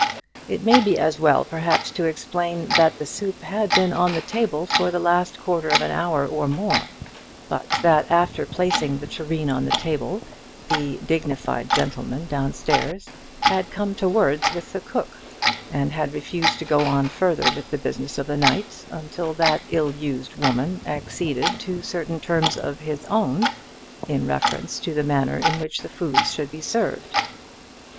It may be as well, perhaps, to explain, that the soup had been on the table for the last quarter of an hour or more, but that after placing the tureen on the table, the dignified gentleman downstairs had come to words with the cook, and had refused to go on further with the business of the night until that ill used woman acceded to certain terms of his own in reference to the manner in which the foods should be served.